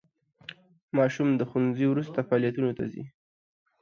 ماشوم د ښوونځي وروسته فعالیتونو ته ځي.